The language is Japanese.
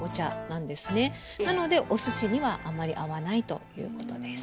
なのでお寿司にはあまり合わないということです。